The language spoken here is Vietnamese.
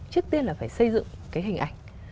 trước tiên là phải xây dựng cái hình ảnh